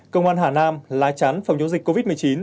công an hà nam lái trán phòng chống dịch covid một mươi chín